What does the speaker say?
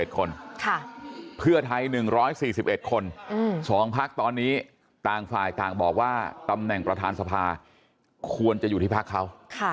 คนเพื่อไทย๑๔๑คน๒พักตอนนี้ต่างฝ่ายต่างบอกว่าตำแหน่งประธานสภาควรจะอยู่ที่พักเขา